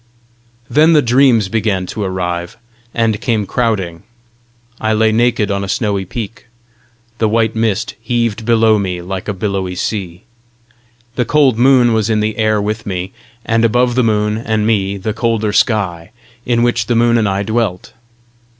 Then the dreams began to arrive and came crowding. I lay naked on a snowy peak. The white mist heaved below me like a billowy sea. The cold moon was in the air with me, and above the moon and me the colder sky, in which the moon and I dwelt.